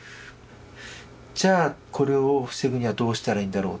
じゃあこれを防ぐにはどうしたらいいんだろう？と。